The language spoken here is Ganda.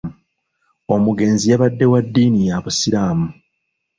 Omugenzi yabadde wa dddiini ya busiraamu.